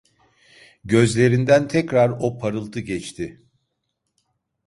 Gözlerinden tekrar o parıltı geçti.